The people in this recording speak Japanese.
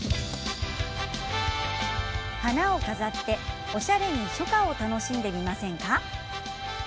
花を飾っておしゃれに初夏を楽しんでみませんか？